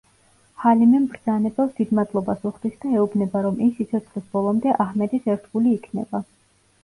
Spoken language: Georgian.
ჰალიმე მბრძანებელს დიდ მადლობას უხდის და ეუბნება, რომ ის სიცოცხლის ბოლომდე აჰმედის ერთგული იქნება.